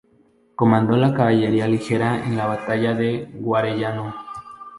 Comandó la caballería ligera en la batalla del Garellano.